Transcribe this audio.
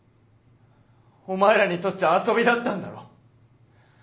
お前らにとっちゃ遊びだったんだろ？